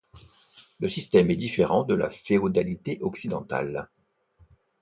Le système est différent de la féodalité occidentale.